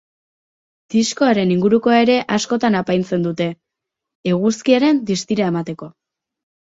Diskoaren ingurukoa ere askotan apaintzen dute, eguzkiaren distira emateko.